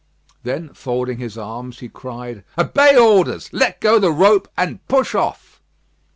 Then, folding his arms, he cried: "Obey orders! Let go the rope, and push off."